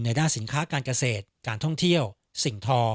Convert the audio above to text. ด้านสินค้าการเกษตรการท่องเที่ยวสิ่งทอ